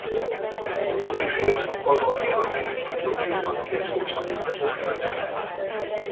A mozifilm a Pannónia Filmstúdióban készült hagyományos rajzfilm.